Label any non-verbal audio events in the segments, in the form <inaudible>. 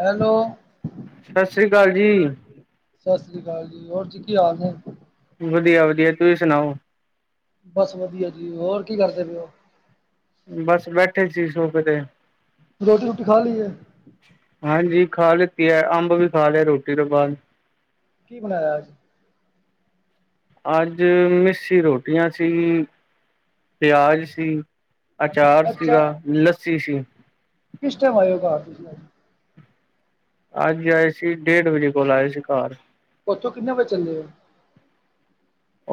Hello. ਸ੍ਰੀ ਸਤਿ ਅਕਾਲ ਜੀ, ਸ੍ਰੀ ਅਕਾਲ ਜੀ ਹੋਰ ਜੀ ਕੀ ਹਾਲ ਨੇ। ਵਧੀਆ-ਵਧੀਆ ਤੁਸੀਂ ਸੁਣਾਓ? ਬਸ ਵਧੀਆ ਜੀ ਹੋਰ। ਕੀ ਕਰਦੇ ਪਏ ਹੋ। ਬਸ ਬੈਠੇ ਸੀ ਸੋਫੇ ਤੇ। ਰੋਟੀ ਰੱਟੀ ਖਾ ਲਈ ਹੈ। ਹਾਂਜੀ ਖਾ ਲਿੱਤੀ ਹੈ ਅੰਬ ਵੀ ਖਾ ਲਿਆ ਰੋਟੀ ਤੋਂ ਬਾਅਦ। ਕੀ ਬਣਾਇਆ ਅੱਜ। ਅੱਜ ਮਿੱਸੀ ਰੋਟੀਆਂ ਸੀ, ਪਿਆਜ਼ ਸੀ। ਅਚਾਰ ਸੀ ਅੱਛਾ ਗਾ ਲੱਸੀ ਸੀ ਕਿਸ ਟਾਈਮ ਆਏ ਹੋ ਘਰ। ਅੱਜ ਆਏ ਸੀ ਡੇਢ ਵਜੇ ਕੋਲ ਆਏ ਸੀ ਘਰ। ਉੱਥੋਂ ਕਿੰਨੇ ਵਜੇ ਚੱਲੇ ੳ।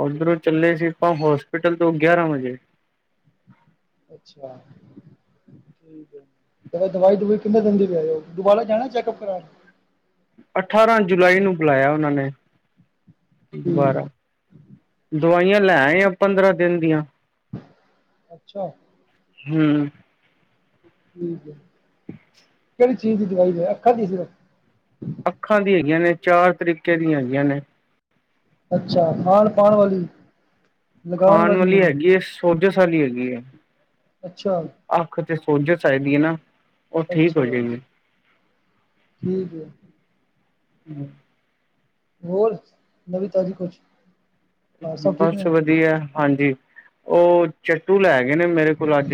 ਓਧਰੋਂ ਚੱਲੇ ਸੀ ਆਪਾਂ ਹੋਸਪਿਟਲ ਤੋਂ ਗਿਆਰਾਂ ਵਜੇ। ਅੱਛਾ। ਠੀਕ ਏ, ਦਵਾਈ ਦੁਵਈ ਕਿੰਨੇ ਦਿਨ ਦੀ ਲਈ ਦੁਬਾਰਾ ਜਾਣਾ ਚੈਕਪ ਕਰਾਣ। ਅਠਾਰਾਂ ਜੁਲਾਈ ਨੂੰ ਬੁਲਾਇਆ ਉਹਨਾਂ ਨੇ। ਠੀਕ ਦੁਬਾਰਾ ਹੈ ਦਵਾਈਆਂ ਲੈਏ ਆ ਪੰਦਰਾਂ ਦਿਨ ਦੀਆਂ। ਅੱਛਾ। ਹਮ। ਠੀਕ ਹੈ ਕਿਹੜੀ ਚੀਜ਼ ਦੀ ਦਵਾਈ ਲਾਏ ਆਖਾਂ ਦੀ ਸਿਰਫ। ਅੱਖਾਂ ਦੀ ਹੈਗੀਆਂ ਨੇ ਚਾਰ ਤਰੀਕੇ ਦੀਆਂ ਹੈਗੀਆਂ ਨੇ। ਅੱਛਾ ਖਾਣ ਪਾਣ ਵਾਲੀ। ਲਗਾਉਣ ਖਾਣ ਵਾਲੀ ਹੋਣੀ ਹੈਗੀ ਹੈ। ਸੋਜਸ਼ ਵਾਲੀ ਹੈਗੀ ਹੈ। ਅੱਛਾ। ਸੋਜ਼ਿਸ਼ ਹੈਗੀ ਹੈ ਨਾ, ਉਹ ਠੀਕ ਅੱਛਾ ਹੋ ਜਾਂਏਗੀ। ਠੀਕ ਹੈ ਹੂੰ, ਹੋਰ, ਨਵੀਂ ਤਾਜੀ ਕੋਈ? ਬਸ ਵਧੀਆ ਹਾਂਜੀ ਉਹ ਚੱਟੂ ਲੈ ਆਏ। ਹੈਗੇ ਨੇ ਮੇਰੇ ਕੋਲ ਅੱਜ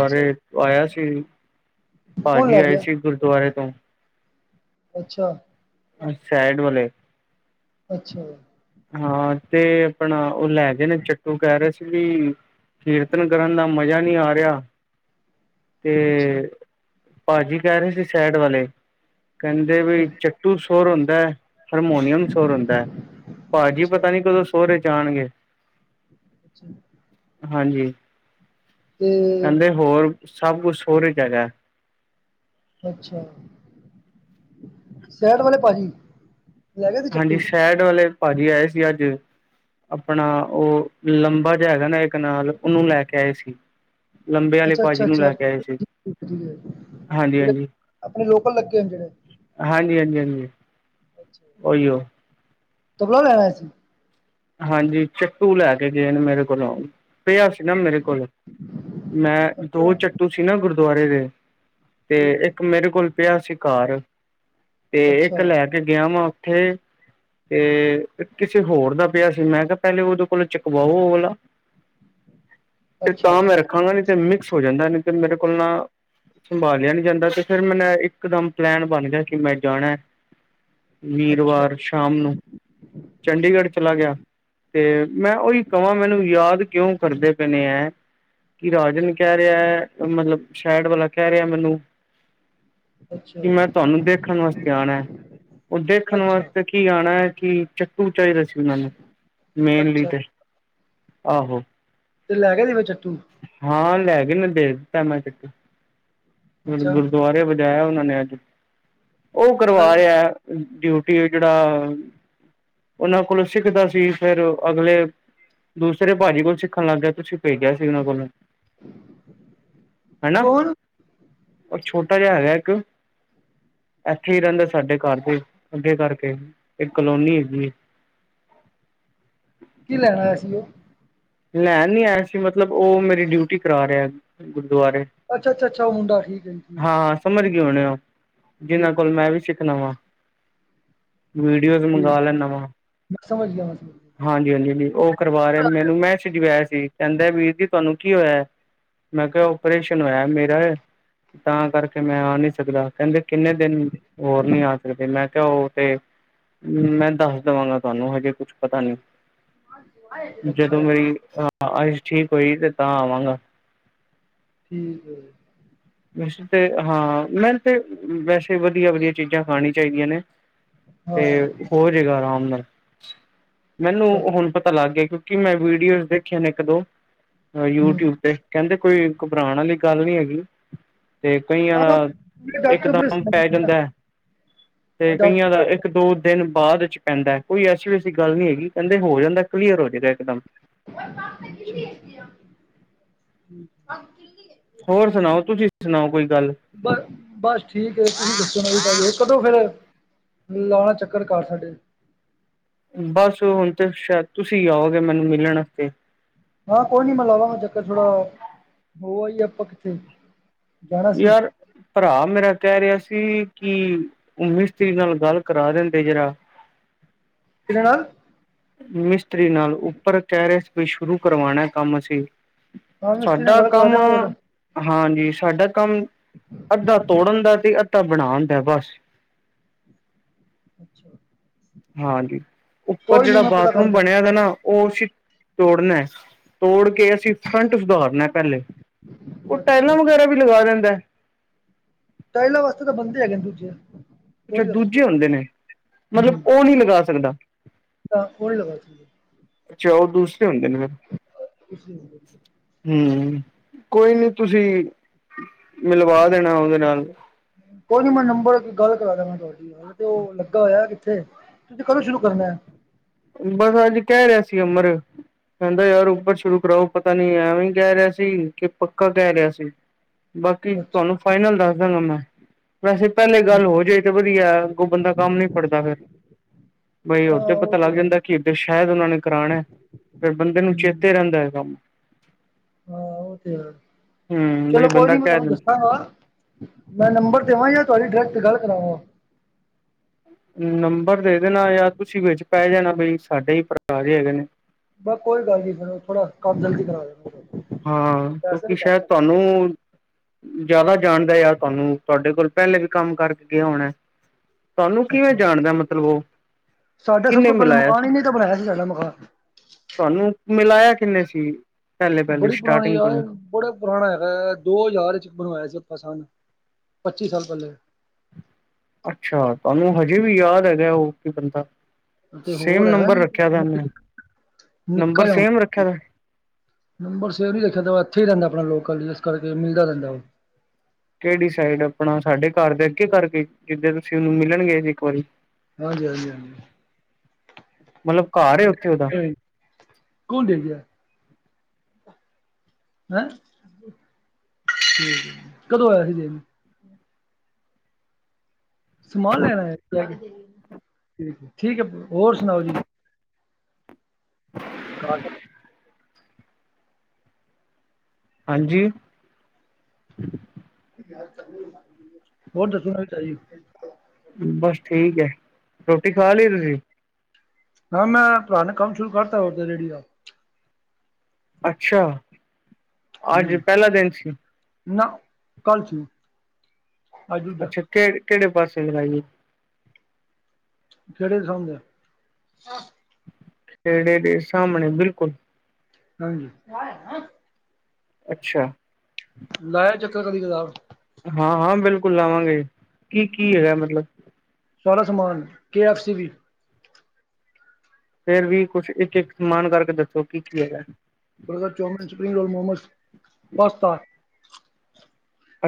ਅੱਛਾ ਜੀ, ਆਇਆ ਸੀ। ਕੌਣ ਭਾਜੀ ਲੈ ਆਏ ਗਿਆ? ਸੀ ਗੁਰਦੁਆਰੇ ਤੋਂ। ਅੱਛਾ। ਅ ਸਾਈਡ ਵਾਲੇ। ਅੱਛਾ ਜੀ। ਹਾਂ ਤੇ ਆਪਣਾ ਉਹ ਲੈ ਗਏ ਨੇ ਚੱਟੂ ਕਹਿ ਰਹੇ ਸੀ, ਵੀ ਕੀਰਤਨ ਕਰਨ ਦਾ ਮਜ਼ਾ ਨਹੀਂ ਆ ਰਿਹਾ। ਅੱਛਾ, ਤੇ ਭਾਜੀ ਕਹਿ ਰਹੇ ਸੀ, ਸਾਈਡ ਵਾਲੇ ਕਹਿੰਦੇ ਅੱਛਾ, ਵੀ ਚ ਸੁਰ ਹੁੰਦਾ ਹੈ ਹਰਮੋਨੀਅਮ ਸੁਰ ਹੁੰਦਾ ਹੈ, ਭਾਜੀ ਅੱਛਾ, ਪਤਾ ਨੀ ਕਦੋਂ ਸੁਰ ਜਾਣਗੇ ਅੱਛਾ ਹਾਂਜੀ। ਤੇ ਕਹਿੰਦੇ ਹੋਰ ਸਭ ਕੁਛ ਹੋਰ ਜਗ੍ਹਾ ਅੱਛਾ, ਸੈਡ ਵਾਲੇ ਭਾਜੀ। ਲੈ ਗਏ ਸੀ ਹਾਂਜੀ, ਚੱਟੂ? ਸ਼ਹਿਡ ਵਾਲੇ ਭਾਜੀ ਆਏ ਸੀ ਅੱਜ ਆਪਣਾ ਉਹ ਲੰਬਾ ਜਿਹਾ ਹੈਗਾ, ਨਾ ਇਹ ਕਨਾਲ ਉਹਨੂੰ ਲੈ ਕੇ ਆਏ ਸੀ। ਲੰਬੇ ਆਲੇ ਅੱਛਾ, ਅੱਛਾ, ਭਾਜੀ ਨੂੰ ਅੱਛਾ ਲੈ ਕੇ ਠੀਕ ਆਏ ਸੀ। ਠੀਕ ਹਾਂਜੀ ਜਿਹੜੇ ਹਾਂਜੀ ਆਪਣੇ ਲੋਕਲ ਲੱਗੇ ਨੇ ਜਿਹੜੇ ਹੂੰ, ਅੱਛਾ ਜੀ, ਤਬਲਾ ਕਿ ਲੈਣਾ ਸੀ। ਹਾਂਜੀ, ਚਟੂ ਲੈ ਕੇ ਗਏ ਨੇ ਮੇਰੇ ਕੋਲੋਂ ਪਿਆ ਸੀ, ਨਾ ਮੇਰੇ ਕੋਲ ਮੈਂ ਅੱਛਾ, ਦੋ ਚੱਟੂ ਸੀ ਨਾ ਗੁਰਦੁਆਰੇ ਦੇ ਤੇ ਠੀਕ ਹੈ, ਇੱਕ ਮੇਰੇ ਕੋਲ ਪਿਆ ਸੀ, ਘਰ ਤੇ ਅੱਛਾ, ਇੱਕ ਲੈ ਕੇ ਗਿਆ ਵਾ। ਥੇ ਤੇ ਕਿਸੇ ਹੋਰ ਦਾ ਪਿਆ ਸੀ, ਮੈਂ ਕਿਹਾ ਪਹਿਲੇ ਉਦੋਂ ਕੋਲ ਚੁੱਕਵਾਓ ਵਾਲਾ ਤੇ ਅੱਛਾ, ਤਾਂ ਮੈਂ ਰੱਖਾਂਗਾ ਨੀ ਤੇ ਮਿਕਸ ਹੋ ਜਾਂਦਾ ਨੀ ਤੇ ਮੇਰੇ ਕੋਲ ਨਾ ਸੰਭਾਲਿਆ ਨੀ ਜਾਂਦਾ ਤੇ ਫਿਰ ਮੈਨ ਇੱਕ ਦਮ ਪਲੈਨ ਬਣ ਗਿਆ, ਕਿ ਮੈਂ ਜਾਣਾ। ਅੱਛਾ, ਅੱਛਾ। ਵੀਰਵਾਰ ਸ਼ਾਮ ਨੂੰ ਚੰਡੀਗੜ੍ਹ ਚਲਾ ਤੇ ਮੈਂ ਉਹੀ ਕਹਾਂ ਮੈਨੂੰ ਯਾਦ ਕਿਉਂ ਕਰਦੇ ਪਏ ਏ ਹੈ। ਕਿ ਰਾਜਨ ਕਹਿ ਰਿਹਾ, ਮਤਲਬ ਸ਼ਹਿਡ ਵਾਲਾ ਕਹਿ ਰਿਹਾ ਮੈਨੂੰ ਅੱਛਾ, ਕਿ ਮੈਂ ਤੁਹਾਨੂੰ ਦੇਖਣ ਵਾਸਤੇ ਆਣਾ ਹੈ, ਉਹ ਦੇਖਣ ਅੱਛਾ, ਵਾਸਤੇ ਕੀ ਆਣਾ ਹੈ। ਕਿ ਚੱਟੂ ਚਾਹੀਦਾ ਸੀ, ਉਹਨਾਂ ਨੂੰ ਮੇਨਲੀ ਅੱਛਾ ਤੇ ਆਹੋ ਤੇ ਲੈ ਕੇ ਦੇਵੇ ਚੱਟੂ ਹਾਂ ਲੈ ਕੇ ਦੇ ਦਿੱਤਾ ਮੈਂ ਚੱਕ ਅੱਛਾ, ਗੁਰਦੁਆਰੇ ਵਜਾਇਆ ਉਹਨਾਂ ਨੇ, ਉਹ ਅੱਛਾ ਕਰਵਾ ਜੀ। ਰਿਹਾ। ਡਿਊਟੀ ਜਿਹੜਾ ਉਹਨਾਂ ਕੋਲੋਂ ਸਿੱਖਦਾ ਸੀ ਫੇਰ ਅਗਲੇ ਦੂਸਰੇ ਭਾਜੀ ਕੋਲ ਸਿੱਖਣ ਲੱਗ ਗਿਆ ਤੁਸੀਂ ਭੇਜਿਆ ਸੀਨਾਂ ਕੋਲ ਹਨ ਨਾ ਕੌਣ ਛੋਟਾ ਜਿਹਾ ਹੈਗਾ ਇੱਕ, ਇੱਥੇ ਹੀ ਰਹਿੰਦਾ ਸਾਡੇ ਘਰ ਦੇ ਅੱਗੇ ਕਰਕੇ ਇੱਕ ਕਲੋਨੀ ਹੈਗੀ ਹੈ। ਕੀ ਲੈਣਾ ਸੀ ਉਹ ਲੈ ਨੀ ਐ ਸੀ, ਮਤਲਬ ਉਹ ਮੇਰੀ ਡਿਊਟੀ ਕਰਾ ਰਿਹਾ। ਗੁਰਦੁਆਰੇ ਅੱਛਾ-ਅੱਛਾ-ਅੱਛਾ, ਉਹ ਮੁੰਡਾ ਠੀਕ ਹੈ ਠੀਕ ਹਾਂ ਸਮਝ ਗਏ ਹੋਣੇ ਜਿਨਾਂ ਠੀਕ ਹੈ ਕੋਲ ਠੀਕ ਮੈਂ ਵੀ ਸਿੱਖਣਾ ਵਾ ਵੀਡੀਓ ਵੀ ਮੰਗਵਾ ਠੀਕ ਲੈ ਨਵਾਂ ਮੈਂ ਸਮਝ ਗਿਆ ਮੈਂ ਸਮਝ ਗਿਆ ਹਾਂਜੀ-ਹਾਂਜੀ ਹਾਂ ਉਹ ਕਰਵਾ ਰਿਹਾ ਮੈਨੂੰ ਮੈਂ, ਛਜਵਾ ਸੀ ਕਹਿੰਦਾ ਵੀਰ ਜੀ ਤੁਹਾਨੂੰ ਕੀ ਹੋਇਆ, ਮੈਂ ਕਿਹਾ ਓਪਰੇਸ਼ਨ ਹੋਇਆ ਮੇਰਾ ਤਾਂ ਕਰਕੇ ਮੈਂ ਆ ਨਹੀਂ ਸਕਦਾ ਕਹਿੰਦੇ ਕਿੰਨੇ ਦਿਨ ਹੋਰ ਨਹੀਂ ਆ ਸਕਦੇ ਮੈਂ ਕਿ ਓਹ ਤੇ। ਮੈਂ ਦੱਸ ਦੇਵਾਂਗਾ ਤੁਹਾਨੂੰ ਹਜੇ ਕੁਛ ਪਤਾ ਨੀ। ਅੱਛਾ। ਅੱਜ ਠੀਕ ਹੋ ਜੀ ਤੇ ਤਾਂ ਆਵਾਂਗਾ। ਠੀਕ ਹੈ ਜੀ। ਹਾਂ ਮੈ ਤੇ ਵੈਸੇ ਵਧੀਆ ਵਧੀਆ ਚੀਜ਼ਾਂ ਖਾਣੀ ਚਾਹੀਦੀਆਂ ਨੇ। ਤੇ ਹਾਂ ਹੋ ਜਾਏਗਾ ਆਰਾਮ ਨਾਲ ਮੈਨੂੰ ਅੱਛਾ ਹੂੰ ਹੁਣ ਪਤਾ ਲੱਗ ਗਿਆ। ਕਿਉਂਕਿ ਮੈਂ ਵੀਡੀਓਜ਼ ਦੇਖੇ ਨੇ ਇੱਕ ਦੋ ਯੂਟਿਊਬ ਹਾਂ ਤੇ ਕਹਿੰਦੇ ਕੋਈ। ਘੁਬਰਾਉਣ ਵਾਲੀ ਗੱਲ ਨੀ ਹੈਗੀ। ਅਤੇ ਕਈਆਂ ਦਾ ਮੇਰੇ ਡਾਕਟਰ ਬੜੇ ਇਕਦਮ ਸਿਆਣੇ ਪੈ ਨੇ ਨਾ ਜਾਂਦਾ। ਹਾਂ ਤੇ ਕਈਆਂ ਡਾਕਟਰ ਦਾ ਬੜੇ ਇੱਕ ਦੋ ਦਿਨ। ਬਾਅਦ ਵਿੱਚ ਪੈਂਦਾ ਕੋਈ ਐਸੀ ਵੈਸੀ ਗੱਲ ਨਹੀਂ ਹੈਗੀ ਕਹਿੰਦੇ ਹੋ ਜਾਂਦਾ। ਕਲੀਅਰ ਹੋ ਜਾਏਗਾ ਇਕਦਮ <unintelligible> ਹੋਰ ਸੁਣਾਓ ਤੁਸੀਂ ਸੁਣਾਓ ਕੋਈ ਗੱਲ ਬਸ ਠੀਕ ਹੈ ਤੁਸੀਂ ਦੱਸੋ ਨਾ। ਕਦੋਂ ਫੇਰ ਲਾਉਣਾ ਚੱਕਰ ਘਰ ਸਾਡੇ। ਬਸ ਹੁਣ ਤੇ ਸ਼ਾਇਦ ਤੁਸੀਂ ਆਓਗੇ ਮੈਨੂੰ ਮਿਲਣ ਵਾਸਤੇ। ਹਾਂ ਕੋਈ ਨੀ ਮੈਂ ਲਵਾਂਗਾ ਚੱਕਰ ਥੋੜਾ ਹੋ ਹੀ ਆਪਾਂ ਕਿੱਥੇ। ਜਾਣਾ ਸੀ ਯਾਰ ਭਰਾ ਮੇਰਾ ਕਹਿ ਰਿਹਾ ਸੀ ਕਿ। ਉੱਨੀ ਸਤਰੀਕ ਨਾਲ ਗੱਲ ਕਰਾ ਦਿੰਦੇ ਜਿਹੜਾ। ਕਿਦੇ ਨਾਲ। ਮਿਸਤਰੀ ਨਾਲ ਉੱਪਰ ਕਹਿ ਰਹੇ ਵੀ ਸ਼ੁਰੂ ਕਰਵਾਉਣਾ ਕੰਮ ਅਸੀ। ਹਾਂ ਮਿਸਤਰੀ ਨਾਲ ਸਾਡਾ ਗੱਲ ਕਰਾ ਕੰਮ। ਦਿਆਂਗਾ ਤੁਹਾਡਾ ਹਾਂਜੀ, ਸਾਡਾ ਕੰਮ ਅੱਧਾ ਤੋੜਨ ਦਾ ਤੇ, ਤਾਂ ਬਣਾ ਹੁੰਦਾ ਬਸ। ਅੱਛਾ। ਹਾਂਜੀ ਉੱਪਰ ਕੋਈ ਨੀ ਜਿਹੜਾ ਮੈਂ ਪਤਾ ਕਰ ਬਾਥਰੂਮ ਦਿਆਂ ਬਣਿਆ ਨਾ। ਉਹ ਉਸ ਤੋੜਨਾ ਤੋੜ ਕੇ। ਕੇ ਅਸੀਂ ਫਰੰਟ ਸੁਧਾਰਨਾ ਪਹਿਲੇ ਉਹ ਟਾਇਲਾਂ ਅੱਛਾ ਵਗੈਰਾ ਵੀ ਲਗਾ ਦਿੰਦਾ। ਪਹਿਲਾ ਵਸਤੇ ਤਾਂ ਬੰਦੀ ਹੈਗਾ ਤੁਸੀੇ। ਅੱਛਾ ਦੂਜੇ ਹੁੰਦੇ ਨੇ ਹੂੰ ਮਤਲਬ ਉਹ ਨਹੀਂ ਲਗਾ ਸਕਦਾ। ਤਾਂ ਉਹਣਗਾ। ਅੱਛਾ ਉਹ ਦੂਸਰੇ ਹੁੰਦੇ ਨੇ ਹਮ। ਇਸ ਲਈ ਕੋਈ ਨੀ ਤੁਸੀਂ। ਮਿਲਵਾ ਦੇਣਾ ਉਹਦੇ ਨਾਲ। ਕੋਈ ਨੀ ਮੈਂ ਨੰਬਰ ਗੱਲ ਕਰਾ ਦ ਮੈਂ ਤੁਹਾਡੀ ਗੱਲ ਤੇ ਉਹ ਲੱਗਾ ਹੋਇਆ ਕਿੱਥੇ ਤੁਸੀਂ ਕਦੋਂ ਸ਼ੁਰੂ ਕਰਨਾ ਆ। ਬਸ ਅੱਜ ਕਹਿ ਰਿਹਾ ਸੀ ਅਮਰ। ਕਹਿੰਦਾ ਯਾਰ ਉਪਰ ਸ਼ੁਰੂ ਕਰਾਓ ਪਤਾ ਨੀ ਐਵੇਂ ਕਹਿ ਰਿਹਾ ਸੀ ਕਿ ਪੱਕਾ ਕਹਿ ਰਿਹਾ ਸੀ। ਬਾਕੀ ਅੱਛਾ ਤੁਹਾਨੂੰ ਫਾਈਨਲ ਦੱਸ ਦੇਵਾਗਾ ਮੈਂ। ਵੈਸੇ ਪਹਿਲੇ ਗੱਲ ਹੋ ਜਾਏ ਤੇ ਵਧੀਆ ਉਹ ਬੰਦਾ ਕੰਮ ਨੀ ਫੜਦਾ ਫਿਰ। ਹਾਂ ਉਹ ਲੱਗ ਤੇ ਹੈ ਜਾਂਦਾ ਕਿ ਇੱਧਰ ਸ਼ਾਇਦ ਉਹਨਾਂ ਨੇ ਕਰਾਉਣਾ ਫਿਰ ਬੰਦੇ ਨੂੰ ਹੂੰ ਚੇਤੇ ਰਹਿੰਦਾ ਹੈ ਕੰਮ। ਹਾਂ ਉਹ ਤੇ ਹੈ। ਹੂੰ ਚਲੋ ਬਈ ਕੋਈ ਬੰਦਾ ਨੀ ਮੈਂ ਕਹਿ ਤੁਹਾਨੂੰ ਦਿੰ ਦੱਸਾਂਗਾ ਮੈਂ ਨੰਬਰ ਦੇਵਾਂ ਜਾਂ ਤੁਹਾਡੀ ਅ ਤੇ ਗੱਲ ਕਰਾਾਂਗਾ ਨੰਬਰ ਦੇ ਦੇਣਾ ਯਾਰ ਤੁਸੀਂ ਵਿੱਚ ਪੈ ਜਾਣਾ ਬਈ ਸਾਡੇ ਹੀ ਭਰਾ ਹੈਗੇ ਨੇ। ਬਸ ਕੋਈ ਗੱਲ ਨੀ ਫਿਰ ਥੋੜਾ ਕੰਮ ਜਲਦੀ ਕਰਾ ਦਿਓ। ਹਾਂ ਕਿਉਂਕਿ ਸ਼ਾਇਦ ਤੁਹਾਨੂੰ। ਜ਼ਿਆਦਾ ਜਾਣਦਾ ਯਾਰ ਤੁਹਾਨੂੰ ਤੁਹਾਡੇ ਕੋਲ ਪਹਿਲੇ ਵੀ ਕੰਮ ਕਰਕੇ ਗਿਆ ਹੋਣਾ। ਤੁਹਾਨੂੰ ਕਿਵੇਂ ਅੱਛਾ ਜਾਣਦਾ ਮਤਲਬ ਉਹ। ਸਾਡਾ ਸਭ ਕਿੰਨੇ ਤੋਂ ਪਹਿਲਾਂ ਮਿਲਾਇਆ ਮਕਾਨ ਹੀ ਨਹੀਂ ਤਾਂ ਬਣਾਇਆ ਸੀ ਸਾਡਾ ਮਕਾਨ ਤੁਹਾਨੂੰ ਮਿਲਾਇਆ। ਕਿੰਨੇ ਸੀ। ਪਹਿਲੇ ਪਹਿਲੇ ਬੜੀ ਪੁਰਾਣੀ ਸਟਾਰਟਿੰਗ ਯਾਰ ਤੋਂ ਬੜਾ ਪੁਰਾਣਾ ਹੈਗਾ ਦੋ ਹਜ਼ਾਰ ਚ ਬਣਵਾਇਆ ਸੀ। ਸਾਲ ਪੱਚੀ ਸਾਲ ਪੱਲੇ <inaudible> ਅੱਛਾ ਤੁਹਾਨੂੰ ਹਜੇ ਵੀ ਯਾਦ ਹੈਗਾ ਉਹ ਬੰਦਾ ਤੇ ਸੇਮ ਹੋਰ ਹੈਗਾ ਨੰਬਰ ਰੱਖਿਆ ਦਾ ਉਹਨੇ ਨੰਬਰ ਨਿਕਲ ਸੇਮ ਰੱਖਿਆ ਦਾ ਨੰਬਰ ਸੇਵੀ ਦੇਖਿਆ ਤਾਂ ਬਾ <inaudible> ਰਹਿੰਦਾ ਆਪਣਾ ਲੋਕਲ ਜਿਸ ਕਰਕੇ ਮਿਲਦਾ ਰਹਿੰਦਾ ਉਹ ਕਿਹੜੀ ਸਾਈਡ ਆਪਣਾ ਸਾਡੇ ਘਰ ਦੇ ਅੱਗੇ ਕਰਕੇ ਜਿੱਦੇ ਤੁਸੀਂ ਉਹਨੂੰ ਮਿਲਣ ਗਏ ਸੀ ਇੱਕ ਵਾਰੀ ਹਾਂਜੀ ਹਾਂਜੀ ਹਾਂਜੀ ਮਤਲਬ ਘਰ ਏ ਉੱਥੇ ਉਹਦਾ ਕੌਣ ਦੇ ਗਿਆ ਹੈਂ ਠੀਕ ਏ ਕਦੋਂ ਆਇਆ ਸੀ ਜ ਸਮਾਨ ਲੈਣ ਆਏ ੳ ਠੀਕ ਏ ਠੀਕ ਏ ਹੋਰ ਸੁਣਾਓ ਜੀ ਕ <inaudible> ਹਾਂਜੀ ਹੋਰ ਤਾਂ ਸੁਣਾ ਚਾ <inaudible> ਬਸ ਠੀਕ ਹੈ ਰੋਟੀ ਖਾ ਲਈ ਤੁਸੀਂ ਹਾਂ ਮੈਂ ਪੁਰਾਣਾ ਕੰਮ ਸ਼ੁਰੂ ਕਰਤਾ ਉ ਰੇਡੀ ਦਾ ਅੱਛਾ ਅੱਜ ਹੂੰ ਪਹਿਲਾ ਦਿਨ ਸੀ ਨਾ ਕਰਫੂ <inaudible> ਅਛਾ ਕੇ ਕਿਹੜੇ ਪਾਸੇ ਲਾਈਏ ਕਿਹੜੇ ਸਾਹਮਨੇ ਪੇੜੇ ਦੇ ਸਾਹਮਣੇ ਬਿਲਕੁਲ ਹਾਂਜੀ- ਅਛਾ- ਲਾਇਆ ਚੱਕਰ ਕਦੀ ਕਤਾਬ। ਹਾਂ- ਹਾਂ ਬਿਲਕੁਲ ਲਾਵਾਗੇ ਕੀ ਕੀ ਹੈਗਾ ਮਤਲਬ ਸਾਰਾ ਸਮਾਨ ਕੇ ਐਫ ਸੀ ਵੀ ਫੇਰ ਵੀ ਕੁਛ ਇਕ- ਇਕ ਸਮਾਨ ਕਰਕੇ ਦਸੋ ਕੀ ਕੀ ਹੈਗਾ। Burger chowmein spring roll momos pasta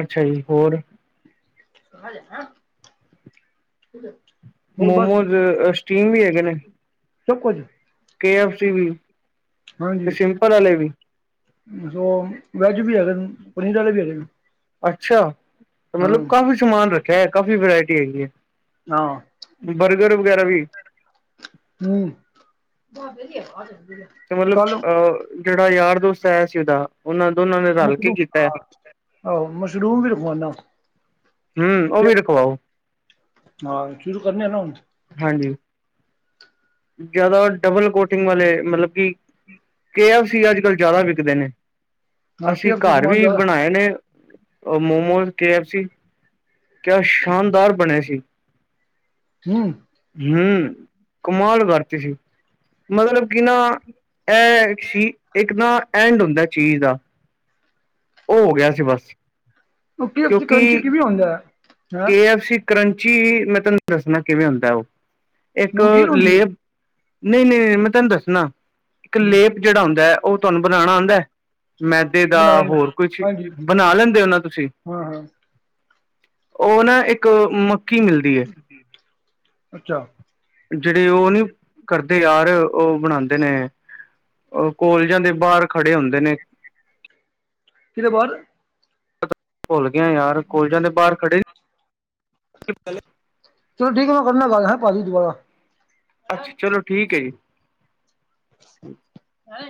ਅਛਾ ਜੀ ਹੋਰ- <unintelligible> <inaudible> ਹੋਰ ਬਸ ਮੋਮੋਜ਼ ਸਟੀਮ ਵੀ ਹੈਗੇ ਨੇ ਸਭ ਕੁਝ <unintelligible> ਕੇ ਐਫ ਸੀ ਵੀ ਤੇ ਸਿੰਪਲ ਵਾਲੇ ਵੀ ਵੀ ਵੈਜ ਵੀ ਹੈਗੇ ਨ ਪਨੀਰ ਵਾਲੇ ਵੀ ਹੈਗੇ ਨੇ। ਅਛਾ ਹਾਂ ਮਤਲਬ ਕਾਫੀ ਸਮਾਨ ਰਖਿਆ ਏ। ਕਾਫੀ ਵਰਾਇਟੀ ਹੈਗੀ ਏ। ਹਾਂ- ਕੂਕਰ ਵਗੈਰਾ ਵੀ ਹੂ- ਤੇ ਮਤਲਬ ਅ ਜਿਹੜਾ ਯਾਰ ਦੋਸਤ ਆਇਆ ਸੀ ਉਹਦਾ। ਉਹਨਾਂ ਦੋਨਾਂ ਨੇ ਰਲ ਕੇ ਮਸ਼ਰੂਮ ਕੀਤਾ ਹੈ ਹਾ ਆ ਮਸ਼ਰੂਮ ਵੀ ਰਖਵਾਨਾ ਹਮ ਉਹ ਵੀ ਰਖਵਾਓ ਹਾਂ ਸ਼ੁਰੂ ਕਰਨੇ ਆ ਨਾ ਹੁਨ। ਹਾਂਜੀ- ਜਿਆਦਾ ਡਬਲ ਕੋਟਿਗ ਵਾਲੇ ਮਲਬ ਕਿ ਕੇ ਐਫ ਸੀ ਅਜ ਕਲ ਜ਼ਿਆਦਾ ਵਿਕਦੇ ਨੇ ਹਾਂ ਕੇ ਅਸੀ ਐਫ ਸੀ ਘਰ ਸਮਾਨ ਵੀ ਜ਼ਿਆਦਾ ਬਣਾਏ ਨੇ ਮੋਮੋਜ਼ ਕੇ ਐਫ ਸੀ ਕਿਆ ਸ਼ਾਨਦਾਰ ਬਣੇ ਸੀ ਹੂੰ ਹੂ- ਕਮਾਲ ਕਰਤੀ ਸੀ ਮਤਲਬ ਕਿ ਨਾ ਇਹ ਸੀ ਇਕ ਨਾ ਐਂਡ ਹੁੰਦਾ ਚੀਜ਼ ਆ ਉਹ ਹੋ ਗਿਆ ਸੀ ਬਸ ਉਹ ਕੇ ਐਫ ਸੀ ਕਿਉਕਿ ਕਰੰਚੀ ਕਿਵੇਂ ਹੁੰਦਾ ਹੈ ਹੈਂ ਕੇ ਐਫ ਸੀ ਕਰੰਚੀ ਮੈਂ ਤੁਹਾਨੂੰ ਦੱਸਨਾ ਕਿਵੇ ਹੁੰਦਾ ਉਹ ਇਕ ਨਮਕੀਨ ਹੁੰਦੀ ਉਹ ਲੇਪ ਨਹੀ ਨਹੀ ਮੈ ਤੁਹਾਨੂੰ ਦਸਣਾ ਇਕ ਹੂੰ ਲੇਪ ਜਿਹੜਾ ਹੁੰਦਾ ਹ ਉਹ ਤੁਹਾਨੂੰ ਬਣਾਉਣਾ ਆਉਦਾ ਹ ਮੈਦੇ ਦਾ ਬਣਾ ਲੈਂਦਾ ਹੋਰ ਕੁਛ ਹਾਂਜੀ ਬਣਾ ਲੈਦੇ ਹੋ ਨਾ ਤੁਸੀ ਹਾਂ ਹਾਂ ਉਹ ਨਾ ਇਕ- ਅੱਛਾ ਜਿਹੜੇ ਉਹ ਨੀ ਕਰਦੇ ਯਾਰ ਉਹ ਬਣਾਉਦੇ ਨੇ ਉਹ ਕੋਲਜਾ ਦੇ ਬਾਹਰ ਖੜੇ ਹੁਦੇ ਨੇ ਕਿਤੇ ਬਾਰ ਭੁੱਲ ਗਿਆ ਯਾਰ ਕੋਲਜ ਜਾਦੇ ਬਾਹਰ ਖੜੇ ਚਲੋ ਠੀਕ ਹੈ। ਮੈ ਕਰਨਾ ਗਲ ਹੈ। ਬਾਦਵੀਚ ਦੁਬਾਰਾ ਅੱਛਾ ਚਲੋ ਠੀਕ ਹੈ ਜੀ- ਹੈ।